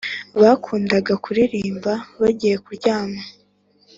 bakundaga kuririmba bagiye kuryama